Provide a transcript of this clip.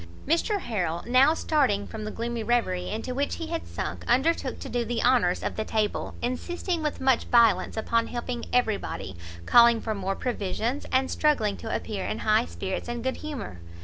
Mr Harrel now, starting from the gloomy reverie into which he had sunk, undertook to do the honours of the table, insisting with much violence upon helping every body, calling for more provisions, and struggling to appear in high spirits and good humour.